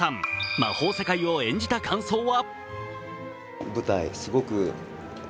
魔法世界を演じた感想は？